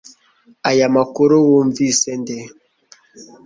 Aya makuru wumvise nde?